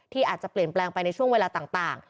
อาจจะเปลี่ยนแปลงไปในช่วงเวลาต่าง